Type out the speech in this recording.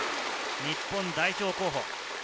日本代表候補。